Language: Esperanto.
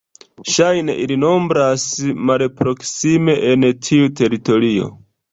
Ŝajne ili nombras malproksime en tiu teritorio.